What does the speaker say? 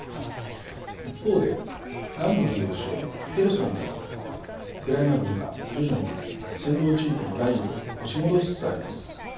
一方で南部の要衝ヘルソンではウクライナ軍が徐々に占領地域のラインを押し戻しつつあります。